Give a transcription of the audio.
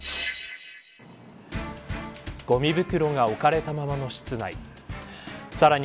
ごみ袋が置かれたままの室内さらに